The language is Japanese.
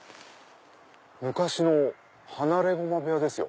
昔の放駒部屋ですよ。